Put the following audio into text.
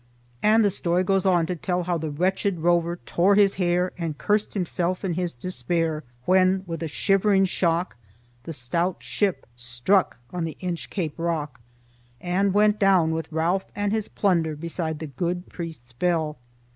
And the story goes on to tell how the wretched rover "tore his hair," and "curst himself in his despair," when "with a shivering shock" the stout ship struck on the Inchcape Rock, and went down with Ralph and his plunder beside the good priest's bell.